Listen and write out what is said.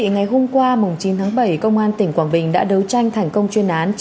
ngày hôm qua chín tháng bảy công an tỉnh quảng bình đã đấu tranh thành công chuyên án